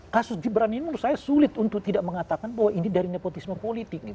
kasus gibran ini menurut saya sulit untuk tidak mengatakan bahwa ini dari nepotisme politik